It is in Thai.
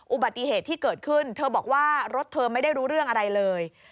อุบัติเหตุที่เกิดขึ้นเธอบอกว่ารถเธอไม่ได้รู้เรื่องอะไรเลย